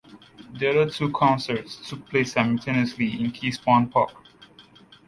The other two concerts took place simultaneously at KeySpan Park.